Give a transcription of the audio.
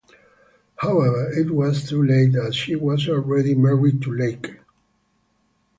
However, it was too late, as she was already married to Lake.